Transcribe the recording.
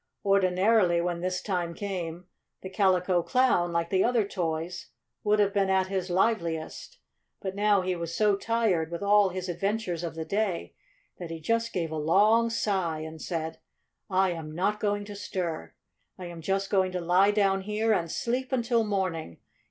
Ordinarily, when this time came, the Calico Clown, like the other toys, would have been at his liveliest. But now he was so tired, with all his adventures of the day, that he just gave a long sigh and said: "I am not going to stir! I am just going to lie down here and sleep until morning!